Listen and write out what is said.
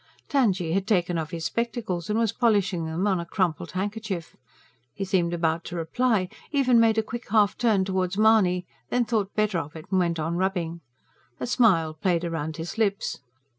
Tangye had taken off his spectacles and was polishing them on a crumpled handkerchief. He seemed about to reply, even made a quick half turn towards Mahony; then thought better of it, and went on rubbing. A smile played round his lips.